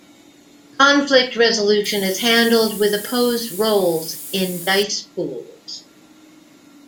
Conflict resolution is handled with opposed rolls in dice pools.